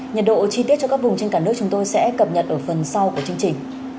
nhiệt độ chi tiết cho các vùng trên cả nước chúng tôi sẽ cập nhật ở phần sau của chương trình